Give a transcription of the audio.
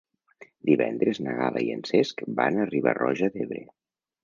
Divendres na Gal·la i en Cesc van a Riba-roja d'Ebre.